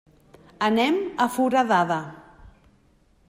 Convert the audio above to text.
Anem a Foradada.